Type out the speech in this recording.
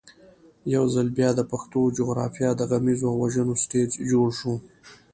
یو ځل بیا د پښتنو جغرافیه د غمیزو او وژنو سټېج جوړ شو.